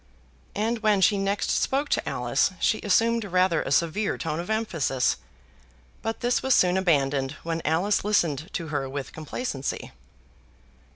And when she next spoke to Alice she assumed rather a severe tone of emphasis; but this was soon abandoned when Alice listened to her with complacency.